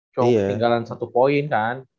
cuman ketinggalan satu poin kan